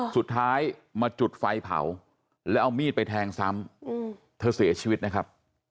สุดท้ายมาจุดไฟเผาแล้วเอามีดไปแทงซ้ำเธอเสียชีวิตนะครับ